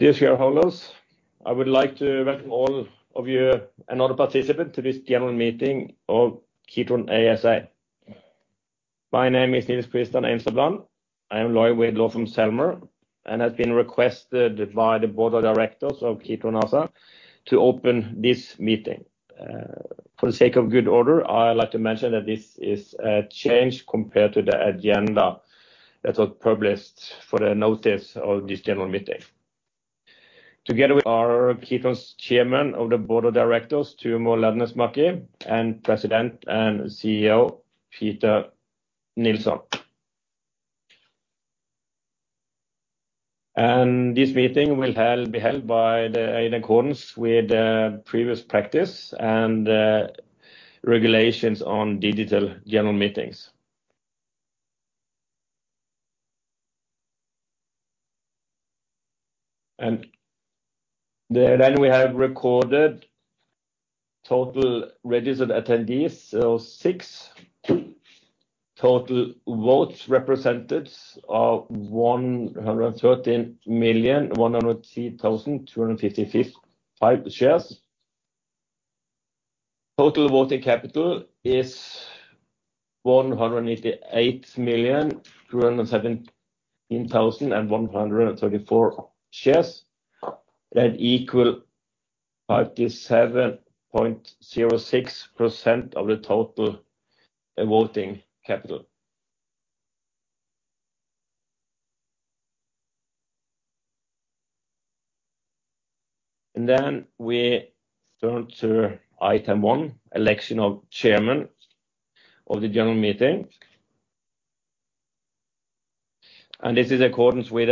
Dear shareholders, I would like to welcome all of you and all the participants to this general meeting of Kitron ASA. My name is Nils Kristian Einstabland. I am lawyer with Selmer, and has been requested by the Board of Directors of Kitron ASA to open this meeting. For the sake of good order, I would like to mention that this is change compared to the agenda that was published for the notice of this general meeting. Together with our Kitron's Chairman of the Board of Directors, Tuomo Lähdesmäki, and President and CEO, Peter Nilsson. This meeting will be held by the in accordance with previous practice and regulations on digital general meetings. We have recorded total registered attendees. 6 total votes represented of 113 million, 103 thousand 255 shares. Total voting capital is 188,217,134 shares that equal 57.06% of the total voting capital. Then we turn to item 1, election of Chairman of the General Meeting. This is accordance with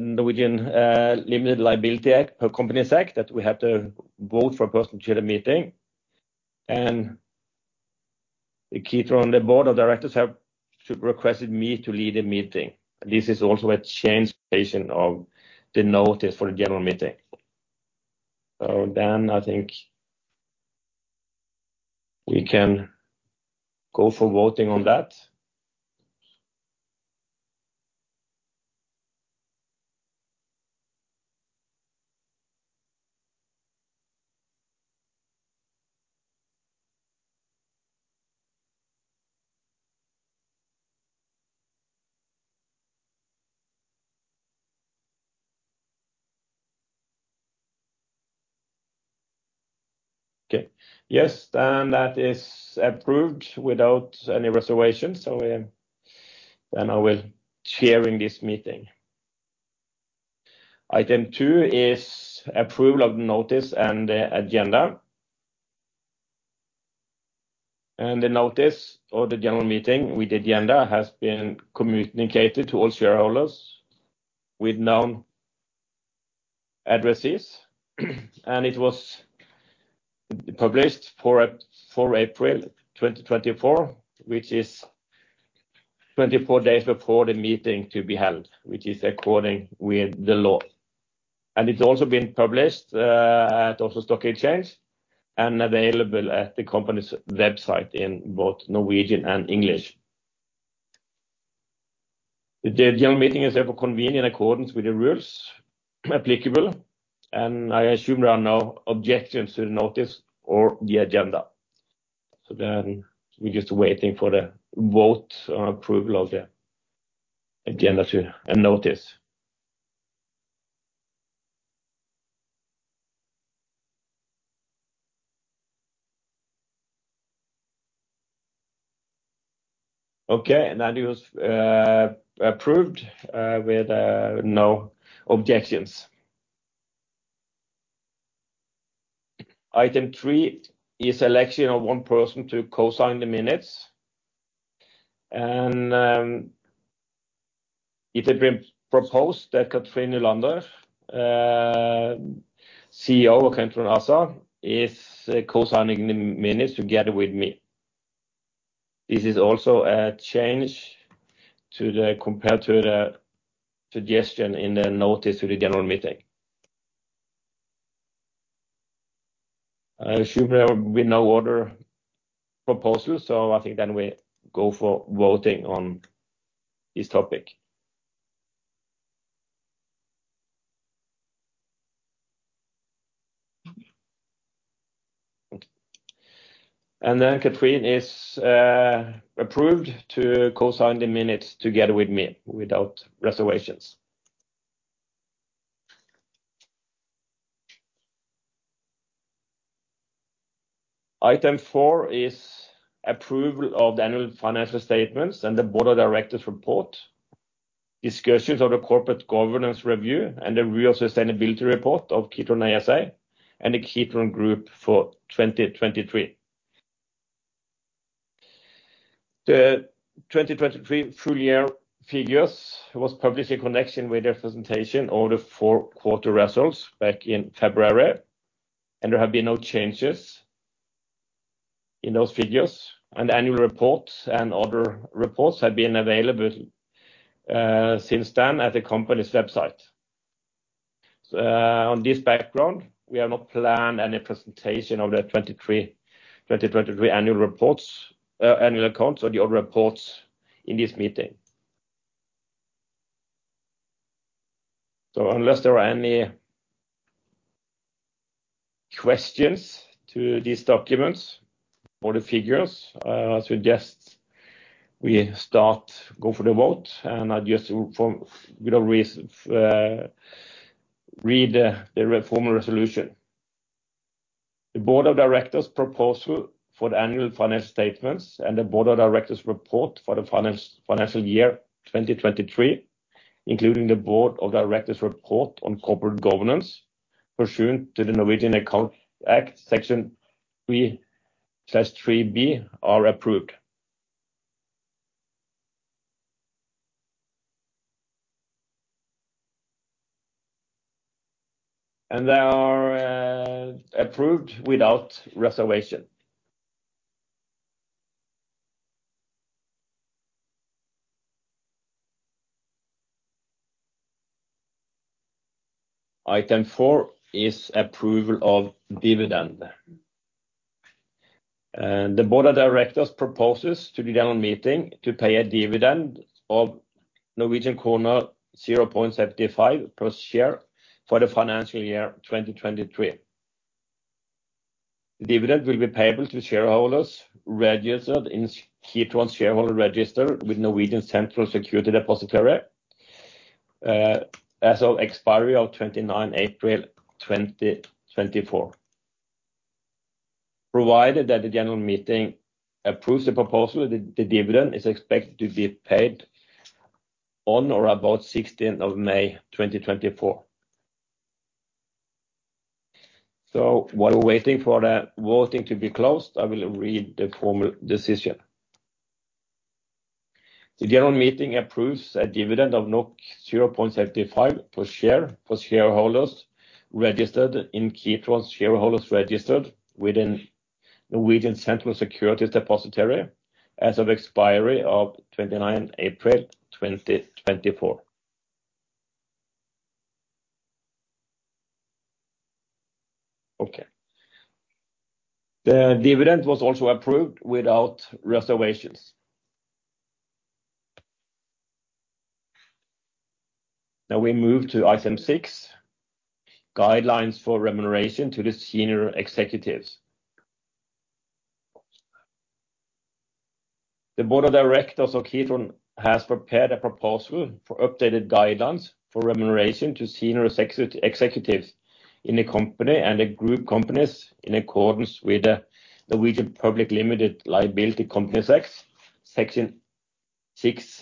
Norwegian Limited Liability Act, per Companies Act, that we have to vote for a person to chair the meeting. The Kitron board of directors have requested me to lead the meeting. This is also a change station of the notice for the general meeting. Then I think we can go for voting on that. Okay. Yes, that is approved without any reservation. Then I will chair in this meeting. Item 2 is approval of the notice and the agenda. The notice of the general meeting with the agenda has been communicated to all shareholders with known addresses. It was published for April 2024, which is 24 days before the meeting to be held, which is according with the law. It's also been published at Oslo Stock Exchange and available at the company's website in both Norwegian and English. The general meeting is therefore convened in accordance with the rules applicable. I assume there are no objections to the notice or the agenda. We're just waiting for the vote on approval of the agenda and notice. Okay. That is approved with no objections. Item three is election of one person to co-sign the minutes. It had been proposed that Cathrin Nylander, CEO of Kitron ASA, is co-signing the minutes together with me. This is also a change compared to the suggestion in the notice to the general meeting. I assume there will be no other proposals. I think then we go for voting on this topic. Cathrin is approved to co-sign the minutes together with me without reservations. Item 4 is approval of the annual financial statements and the Board of Directors report, discussions of the corporate governance review and the real sustainability report of Kitron ASA and the Kitron Group for 2023. The 2023 full year figures was published in connection with the presentation of the 4 quarter results back in February. There have been no changes in those figures, and the annual reports and other reports have been available since then at the company's website. On this background, we have not planned any presentation of the 2023 annual reports, annual accounts or the other reports in this meeting. Unless there are any questions to these documents or the figures, I suggest we start, go for the vote, and I just for good reason, read the formal resolution. The board of directors proposal for the annual financial statements and the board of directors report for the financial year 2023, including the board of directors report on corporate governance pursuant to the Norwegian Accounting Act Section 3 + 3B are approved. They are approved without reservation. Item 4 is approval of dividend. The board of directors proposes to the general meeting to pay a dividend of Norwegian kroner 0.75 per share for the financial year 2023.Dividend will be payable to shareholders registered in Norwegian Central Securities Depository The board of directors of Kitron has prepared a proposal for updated guidelines for remuneration to senior executives in the company and the group companies in accordance with the Norwegian Public Limited Liability Companies Act Section 6-16a.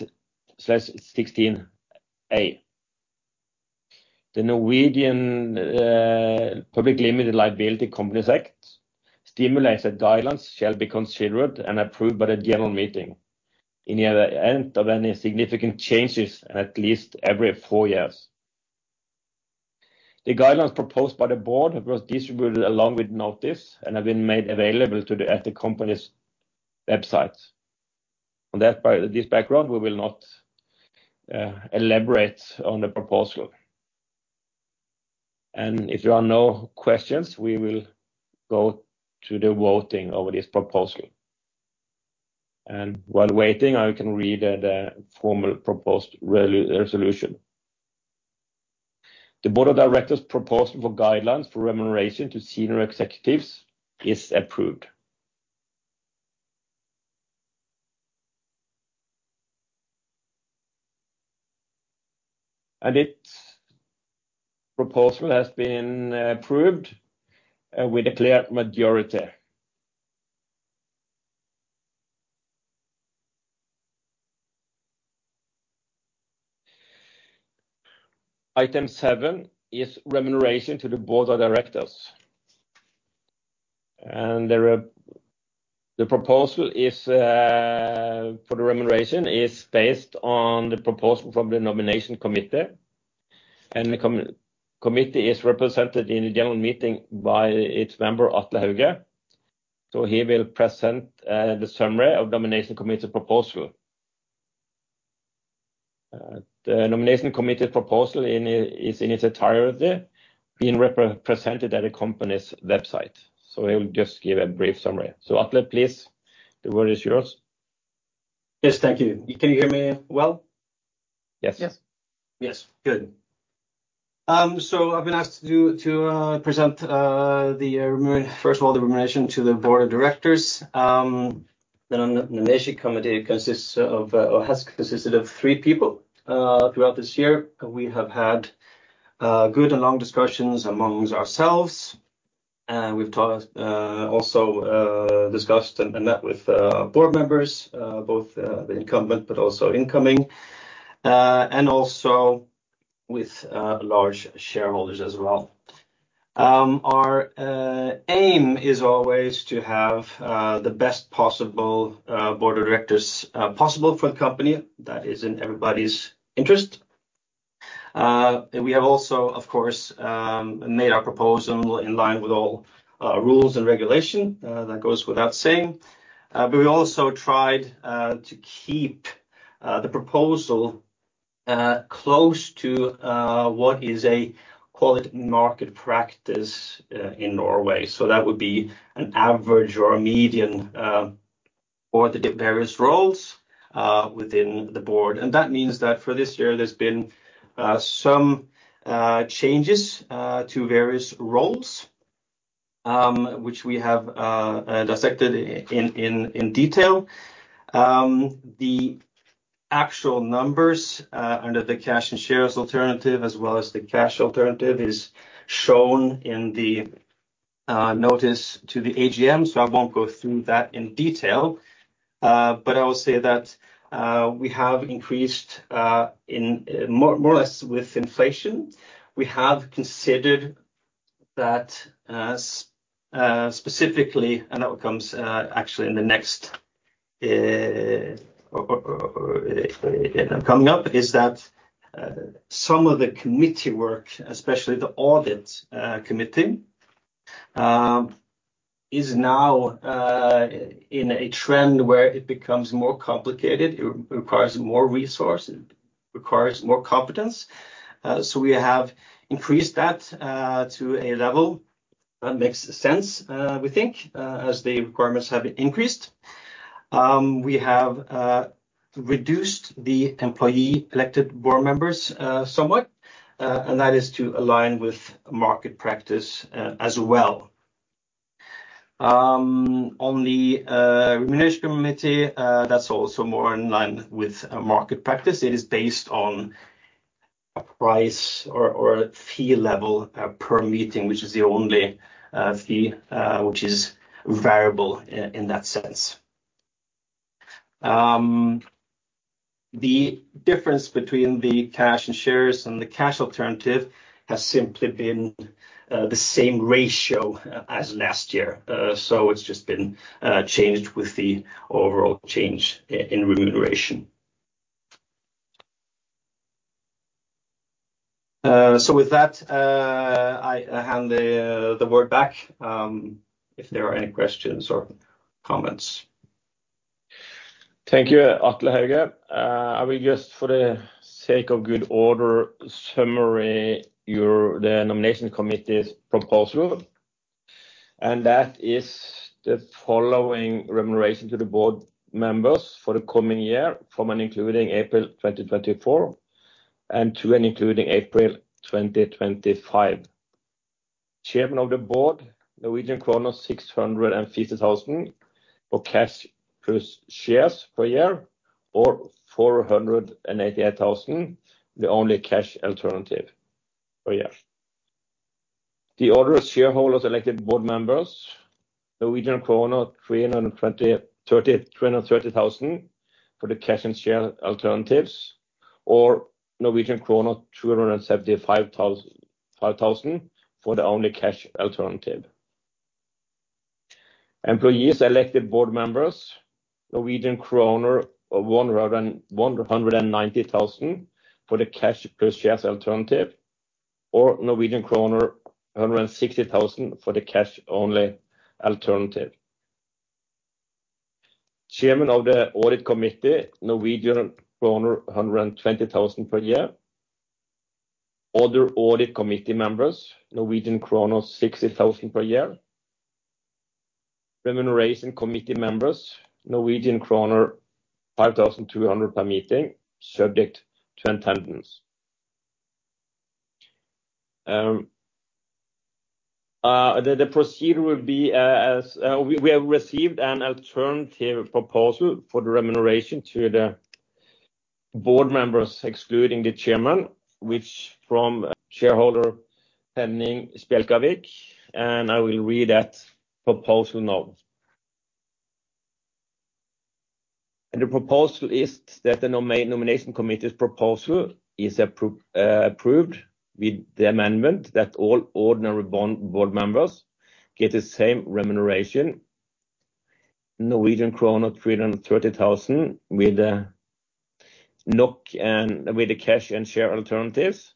The Norwegian Public Limited Liability Companies Act stimulates that guidelines shall be considered and approved by the general meeting in the event of any significant changes and at least every four years. The guidelines proposed by the board was distributed along with notice and have been made available at the company's website. On this background, we will not elaborate on the proposal. If there are no questions, we will go to the voting over this proposal. While waiting, I can read the formal proposed resolution. The board of directors proposal for guidelines for remuneration to senior executives is approved. Its proposal has been approved with a clear majority. Item seven is remuneration to the board of directors. The proposal is for the remuneration is based on the proposal from the nomination committee, and the committee is represented in the general meeting by its member, Atle Hauge. He will present the summary of nomination committee proposal. The nomination committee proposal is in its entirety being represented at the company's website. He will just give a brief summary. Atle, please, the word is yours. Yes. Thank you. Can you hear me well? Yes. Yes. Good. I've been asked to present first of all, the remuneration to the board of directors. The nomination committee consists of, or has consisted of three people throughout this year. We have had good and long discussions amongst ourselves. We've also discussed and met with board members, both the incumbent but also incoming, and also with large shareholders as well. Our aim is always to have the best possible board of directors possible for the company. That is in everybody's interest. We have also, of course, made our proposal in line with all rules and regulation. That goes without saying. We also tried to keep the proposal close to what is a quality market practice in Norway. That would be an average or a median for the various roles within the board. That means that for this year, there's been some changes to various roles, which we have dissected in detail. The actual numbers under the cash and shares alternative as well as the cash alternative is shown in the notice to the AGM, I won't go through that in detail. I will say that we have increased in more or less with inflation. We have considered that specifically, and that comes actually in the next, or coming up, is that some of the committee work, especially the audit committee, is now in a trend where it becomes more complicated. It requires more resource, it requires more competence. We have increased that to a level that makes sense, we think, as the requirements have increased. We have reduced the employee elected board members somewhat, and that is to align with market practice as well. On the remuneration committee, that's also more in line with market practice. It is based on a price or fee level per meeting, which is the only fee which is variable in that sense. The difference between the cash and shares and the cash alternative has simply been the same ratio as last year. So it's just been changed with the overall change in remuneration. So with that, I hand the word back if there are any questions or comments. Thank you, Atle Hauge. I will just for the sake of good order summary the Nomination Committee's proposal, and that is the following remuneration to the board members for the coming year from and including April 2024 and to and including April 2025. Chairman of the Board, 650,000 for cash plus shares per year or 488,000, the only cash alternative per year. The other shareholder-elected Board members 330,000 for the cash and share alternatives or Norwegian krone 275,000 for the only cash alternative. Employee-elected Board members 190,000 for the cash plus shares alternative or Norwegian kroner 160,000 for the cash only alternative. Chairman of the Audit Committee, Norwegian kroner 120,000 per year. Other audit committee members, Norwegian kroner 60,000 per year. Remuneration committee members, Norwegian kroner 5,200 per meeting, subject to attendance. The procedure will be as we have received an alternative proposal for the remuneration to the board members, excluding the chairman, which from shareholder Henning Spjelkavik. I will read that proposal now. The proposal is that the nomination committee's proposal is approved with the amendment that all ordinary board members get the same remuneration. 330,000 Norwegian krone with the NOK and cash and share alternatives,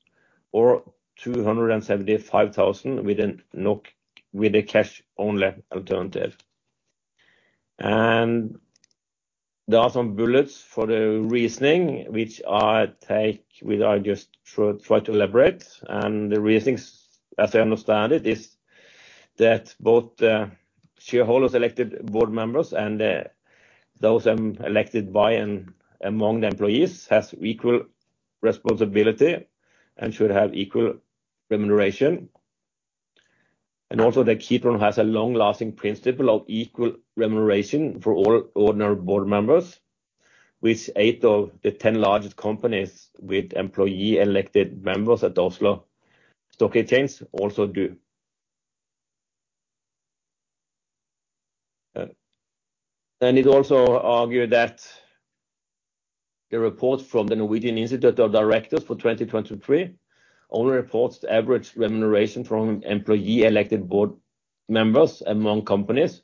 or 275,000 with the NOK cash only alternative. There are some bullets for the reasoning which I take with, I just try to elaborate. The reasonings, as I understand it, is that both shareholders elected board members and those elected by and among the employees has equal responsibility and should have equal remuneration. Also, the Kitron has a long-lasting principle of equal remuneration for all ordinary board members, which eight of the 10 largest companies with employee elected members at Oslo Stock Exchange also do. It also argued that the report from the Norwegian Institute of Directors for 2023 only reports the average remuneration from employee elected board members among companies.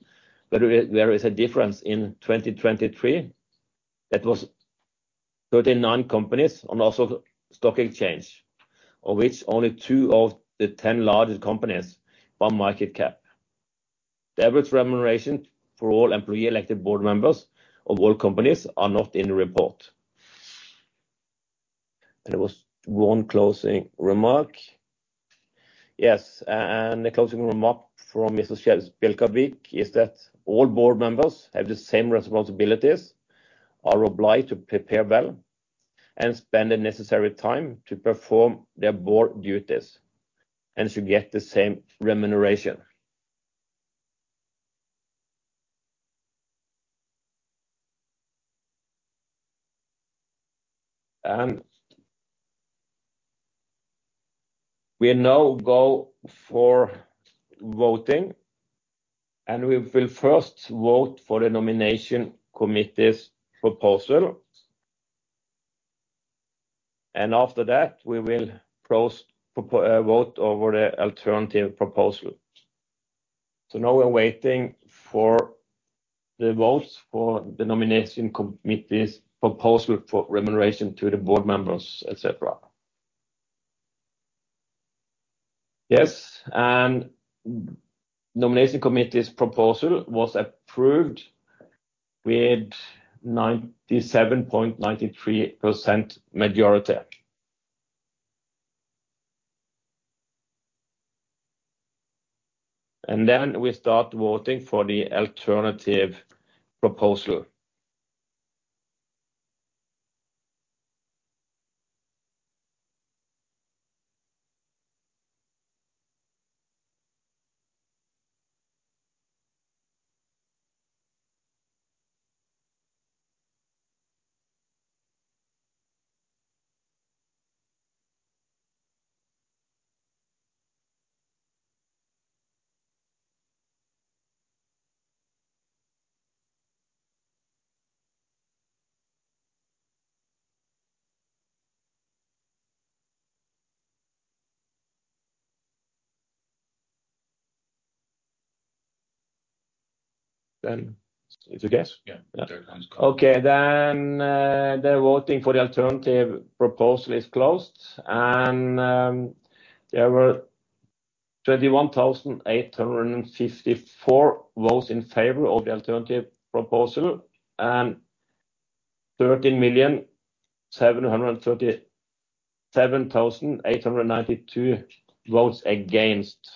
There is a difference in 2023 that was 39 companies on Oslo Stock Exchange, of which only 2 of the 10 largest companies by market cap. The average remuneration for all employee elected board members of all companies are not in the report. There was 1 closing remark. The closing remark from Mr. Spjelkavik is that all board members have the same responsibilities, are obliged to prepare well and spend the necessary time to perform their board duties, and should get the same remuneration. We now go for voting. We will first vote for the nomination committee's proposal. After that, we will vote over the alternative proposal. Now we're waiting for the votes for the nomination committee's proposal for remuneration to the board members, et cetera. Nomination committee's proposal was approved with 97.93% majority. We start voting for the alternative proposal. It's a yes? Yeah. There it comes, yes. Okay. The voting for the alternative proposal is closed, and there were 31,854 votes in favor of the alternative proposal and 13,737,892 votes against.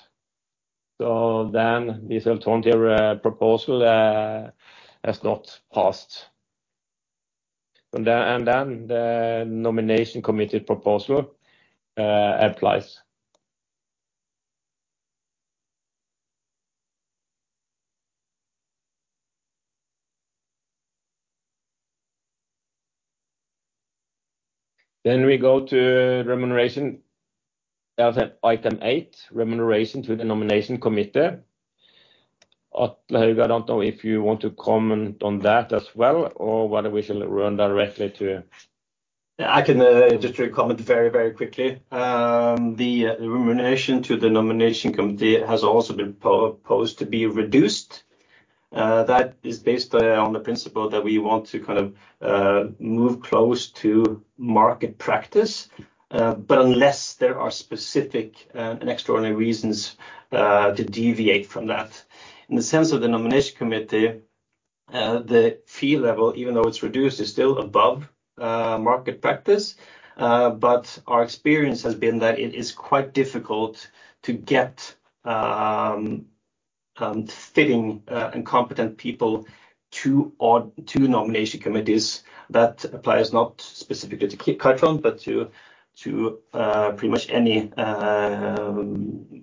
This alternative proposal has not passed. The Nomination Committee proposal applies. We go to remuneration. Item 8, remuneration to the Nomination Committee. Atle Hauge, I don't know if you want to comment on that as well, or whether we should run directly to... I can just comment very, very quickly. The remuneration to the nomination committee has also been proposed to be reduced. That is based on the principle that we want to kind of move close to market practice, but unless there are specific and extraordinary reasons to deviate from that. In the sense of the nomination committee, the fee level, even though it's reduced, is still above market practice. Our experience has been that it is quite difficult to get fitting and competent people to, or to nomination committees. That applies not specifically to Kitron, but to pretty much any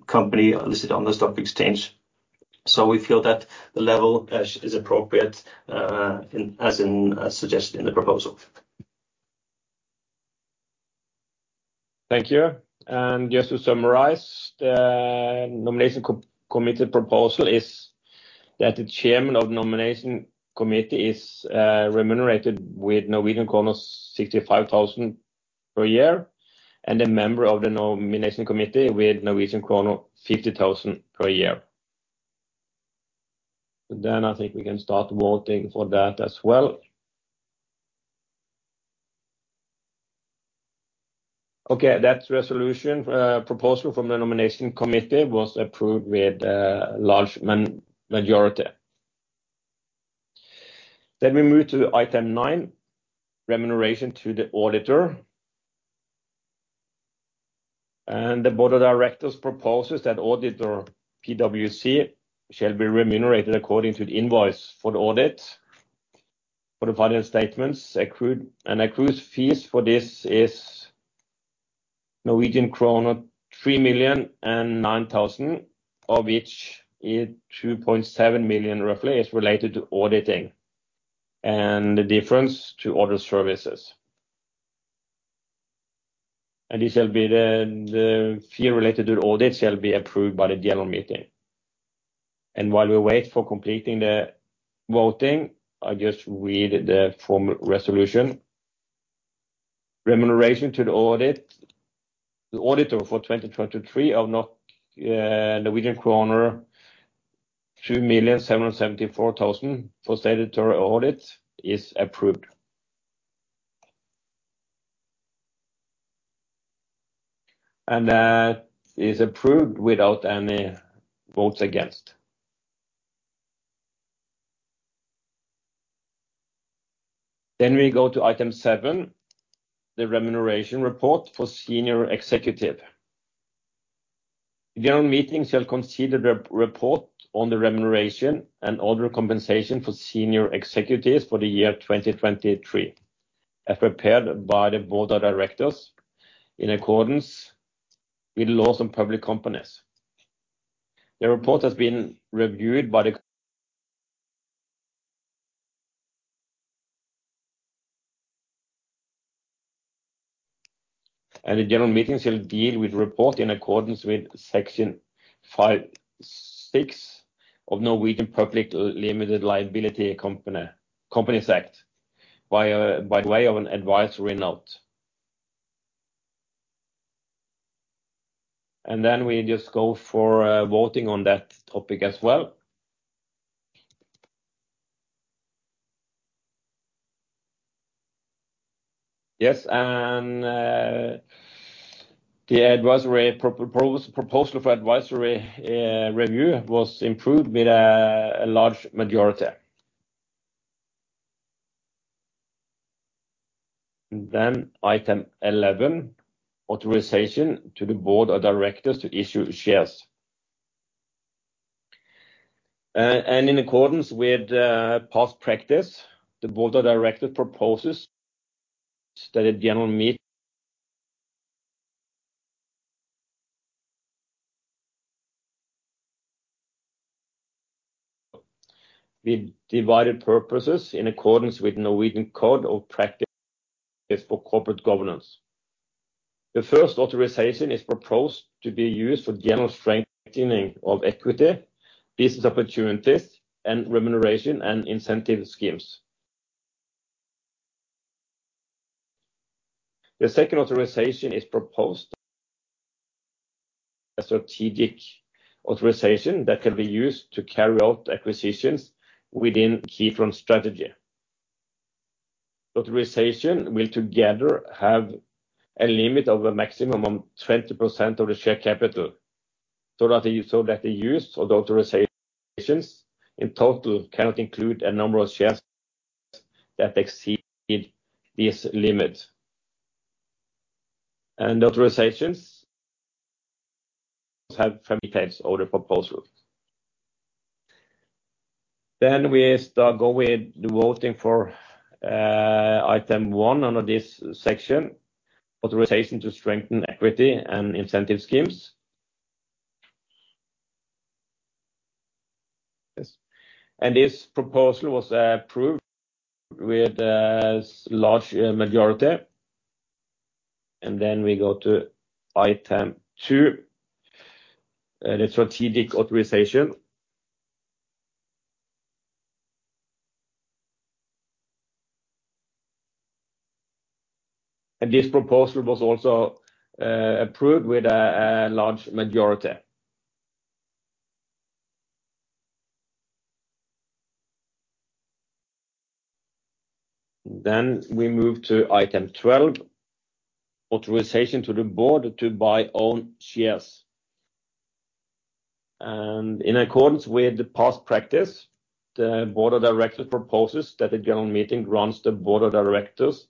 company listed on the stock exchange. We feel that the level is appropriate as suggested in the proposal. Thank you. Just to summarize, the Nomination Committee proposal is that the chairman of Nomination Committee is remunerated with 65,000 per year, and a member of the Nomination Committee with 50,000 per year. I think we can start voting for that as well. Okay, that resolution proposal from the Nomination Committee was approved with a large majority. We move to item 9, remuneration to the auditor. The Board of Directors proposes that auditor PwC shall be remunerated according to the invoice for the audit for the financial statements accrued. Accrued fees for this is Norwegian krone 3,009,000, of which 2.7 million roughly is related to auditing, and the difference to other services. This shall be the fee related to the audit shall be approved by the general meeting. While we wait for completing the voting, I just read the formal resolution. Remuneration to the audit. The auditor for 2023 of NOK 2 million 774 thousand for statutory audit is approved. That is approved without any votes against. We go to item 7, the remuneration report for senior executive. The annual meeting shall consider the report on the remuneration and other compensation for senior executives for the year 2023, as prepared by the Board of Directors in accordance with laws on public companies. The general meeting shall deal with report in accordance with Section 5-6 of Norwegian Public Limited Liability Companies Act by way of an advisory note. We just go for voting on that topic as well. The advisory proposal for advisory review was improved with a large majority. Item 11, authorization to the board of directors to issue shares. In accordance with past practice, the board of directors proposes that a general meet... With divided purposes in accordance with Norwegian Code of Practice for Corporate Governance. The first authorization is proposed to be used for general strengthening of equity, business opportunities, and remuneration and incentive schemes. The second authorization is proposed... A strategic authorization that can be used to carry out acquisitions within Kitron's strategy. Authorization will together have a limit of a maximum of 20% of the share capital so that the use of the authorizations in total cannot include a number of shares that exceed this limit. Authorizations have family names or the proposal. We go with the voting for item 1 under this section, authorization to strengthen equity and incentive schemes. Yes. This proposal was approved with a large majority. We go to item 2, the strategic authorization. This proposal was also approved with a large majority. We move to item 12, authorization to the board to buy own shares. In accordance with the past practice, the board of directors proposes that the general meeting grants the board of directors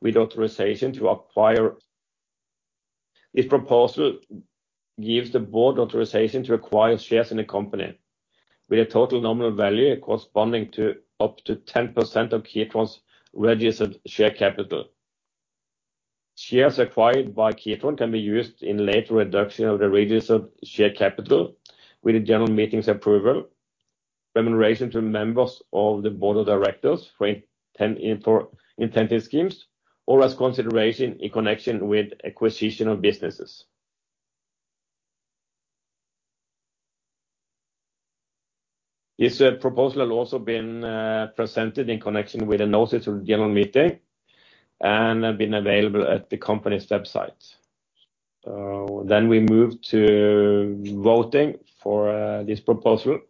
with authorization to acquire. This proposal gives the board authorization to acquire shares in the company with a total nominal value corresponding to up to 10% of Kitron's registered share capital. Shares acquired by Kitron can be used in later reduction of the registered share capital with the general meeting's approval, remuneration to members of the board of directors for incentive schemes, or as consideration in connection with acquisition of businesses. This proposal has also been presented in connection with the notice of general meeting and been available at the company's website. We move to voting for this proposal.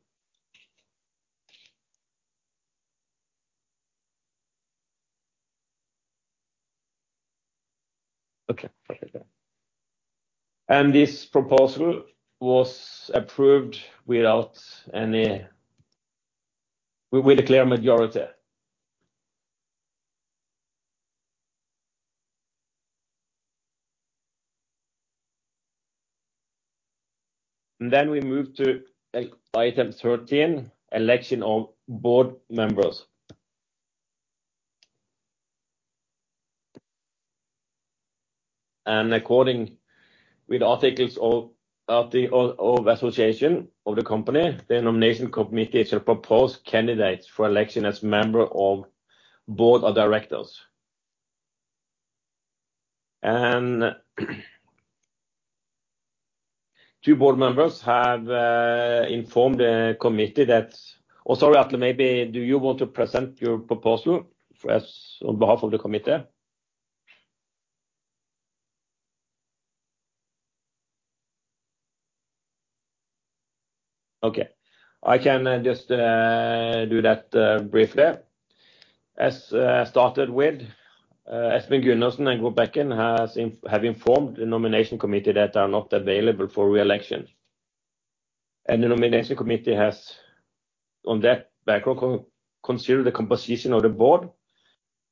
Okay. This proposal was approved without any with a clear majority. We move to item 13, election of board members. According with articles of association of the company, the nomination committee shall propose candidates for election as member of board of directors. Two board members have informed the committee that. Oh, sorry, Atle, maybe do you want to present your proposal as on behalf of the committee? Okay. I can just do that briefly. Started with Espen Gundersen and Gro Brækken has informed the Nomination Committee that are not available for re-election. The Nomination Committee has, on that background, consider the composition of the board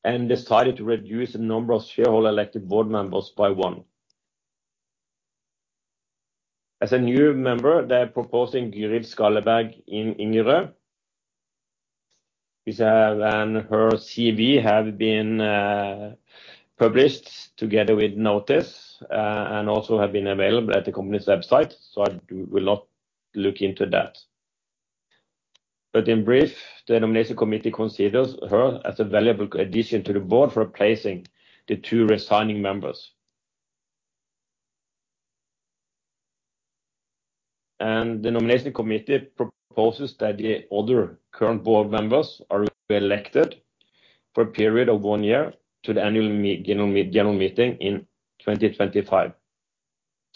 and decided to reduce the number of shareholder elected board members by 1. A new member, they're proposing Gyrid Skalleberg Ingerø. His and her CV have been published together with notice and also have been available at the company's website, so I will not look into that. In brief, the Nomination Committee considers her as a valuable addition to the board for replacing the 2 resigning members. The Nomination Committee proposes that the other current board members are re-elected for a period of 1 year to the annual general meeting in 2025.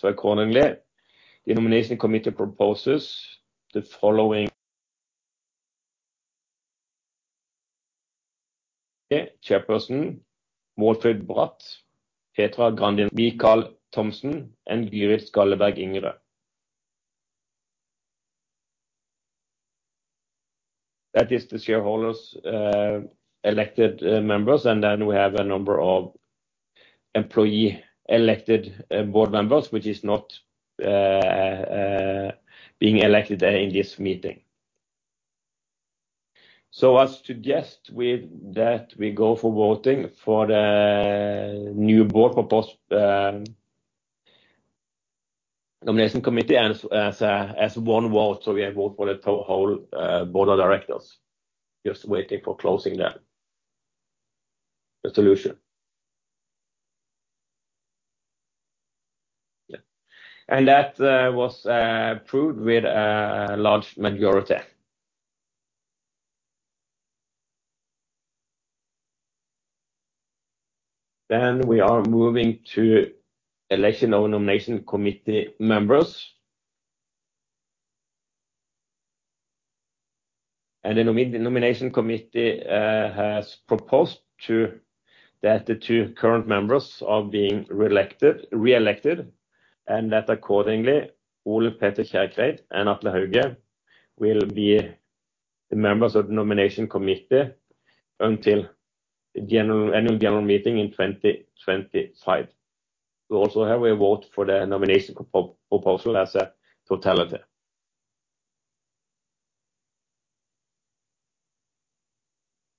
Accordingly, the nomination committee proposes the following: chairperson, Maalfrid Brath, Petra Grandinson, Michael Lundgaard Thomsen and Gyrid Skalleberg Ingerø. That is the shareholders elected members, we have a number of employee elected board members, which is not being elected in this meeting. I suggest with that we go for voting for the new board proposal, nomination committee as one vote, we vote for the whole board of directors. Just waiting for closing that resolution. Yeah. That was approved with a large majority. We are moving to election of nomination committee members. The nomination committee has proposed to that the two current members are being reelected, and that accordingly, Ole Petter Kjerkreit and Atle Hauge will be the members of the nomination committee until the annual general meeting in 2025. We also have a vote for the nomination proposal as a totality.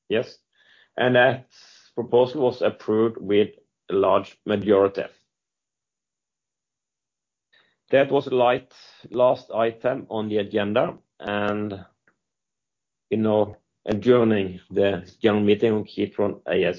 Yes. That proposal was approved with a large majority. That was the last item on the agenda, and, you know, adjourning the general meeting here from AIS.